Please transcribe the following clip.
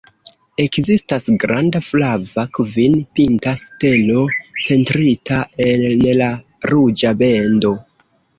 Ekzistas granda flava, kvin-pinta stelo centrita en la ruĝa bendo.